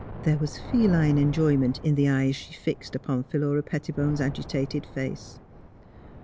There was feline enjoyment in the eyes she fixed upon Phihira Pettibone 's agitated face.